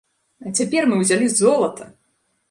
А цяпер мы ўзялі золата!